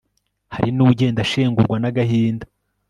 hari n'ugenda ashengurwa n'agahinda